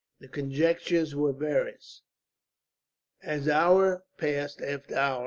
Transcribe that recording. The conjectures were various, as hour passed after hour.